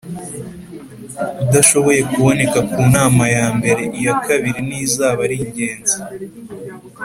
udashoboye kuboneka ku nama ya mbere iya kabiri ntizaba ari ingenzi